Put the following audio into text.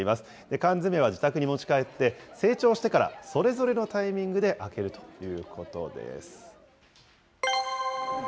缶詰は自宅に持ち帰って、成長してからそれぞれのタイミングで開けるということです。